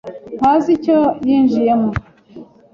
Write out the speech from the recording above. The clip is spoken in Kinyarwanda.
ntazi icyo yinjiyemo.